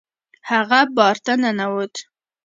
هغه بار ته ننوت.